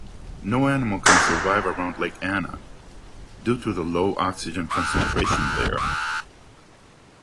No animal can survive around Lake Ana due to the low oxygen concentration there.